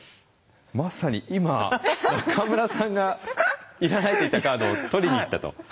まさに今中村さんがいらないと言ったカードを取りにいったと。